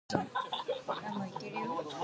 エアコンが壊れた